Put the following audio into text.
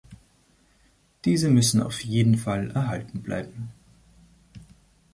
Diese müssen auf jeden Fall erhalten bleiben.